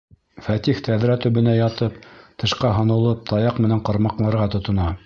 Фәтих тәҙрә төбөнә ятып, тышҡа һонолоп, таяҡ менән ҡармаҡларға тотона.